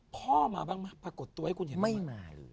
พ่อมาบ้างมั้ยปรากฏตัวให้คุณเห็นไหม